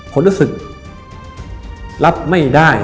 ผมรู้สึกรับไม่ได้